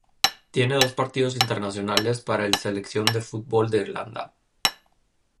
Tiene dos partidos internacionales para el Selección de fútbol de Irlanda.